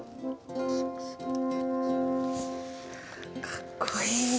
かっこいい。